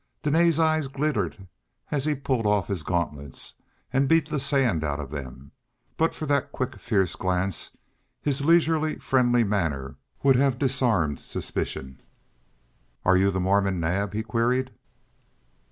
Dene's eyes glittered as he pulled off his gauntlets and beat the sand out of them; and but for that quick fierce glance his leisurely friendly manner would have disarmed suspicion. "Are you the Mormon Naab?" he queried.